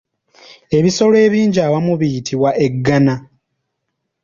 Ebisolo ebingi awamu biyitibwa eggana.